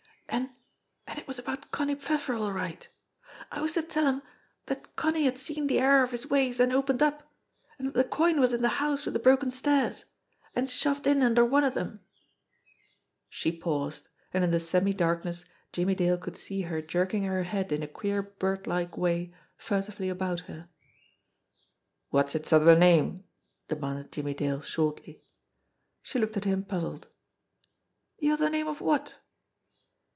"An' an' it was about Connie Pfef fer, all right. I was to tell 'em dat Connie had seen de error 88 JIMMIE DALE AND THE PHANTOM CLUE of his ways an' opened up, an' dat de coin was in de hous wid de broken stairs, an' shoved in under one of dem." She paused, and in the semi darkness Jimmie Dale cou 1 ^ see her jerking her head in a queer birdlike way furtively about her. "What's its other name ?" demanded Jimmie Dale shortly. She looked at him puzzled. "De other name of wot?"